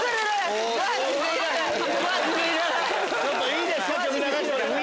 いいですか？